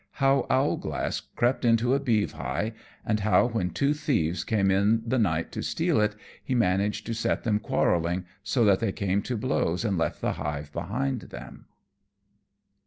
_How Owlglass crept into a Beehive; and how, when two Thieves came in the night to steal it, he managed to set them quarrelling, so that they came to blows and left the Hive behind them.